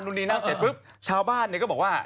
นู่นนี่นั่นเสร็จปุ๊บชาวบ้านเนี่ยก็บอกว่า